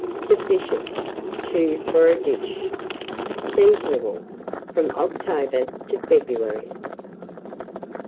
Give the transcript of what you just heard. Sufficient, 2 for a dish. Seasonable from October to February.